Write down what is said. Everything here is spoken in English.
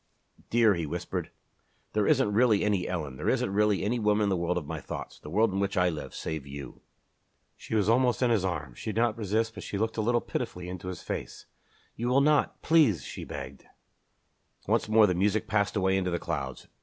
"Dear," he whispered, "there isn't really any Ellen, there isn't really any woman in the world of my thoughts, the world in which I live, save you." She was almost in his arms. She did not resist but she looked a little pitifully into his face. "You will not please!" she begged. Once more the music passed away into the clouds.